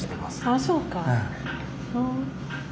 ああそうか。